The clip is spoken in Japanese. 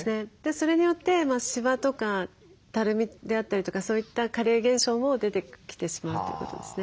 それによってしわとかたるみであったりとかそういった加齢現象も出てきてしまうということですね。